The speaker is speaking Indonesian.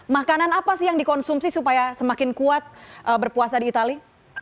makanan apa sih yang dikonsumsi supaya semakin kuat berpuasa di itali